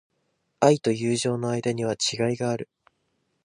愛と友情の間には違いがある。